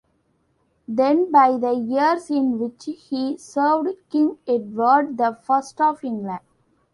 Then by the years in which he served King Edward the First of England.